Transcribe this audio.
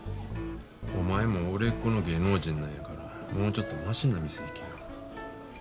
お前も売れっ子の芸能人なんやからもうちょっとマシな店行けや。